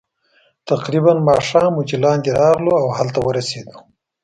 تقریباً ماښام وو چې لاندې راغلو، او هلته ورسېدو.